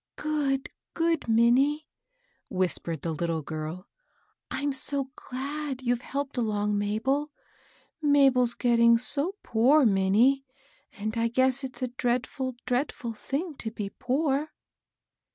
" Good, good Minnie 1 " whispered the little MINNIE. Ill girl. "I'm so glad you've helped along Mabel 1 Mabel's getting so poor, Minnie I And I guess it's a dreadftJ, dreadful thing to be poor."